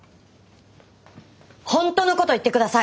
本当のこと言って下さい。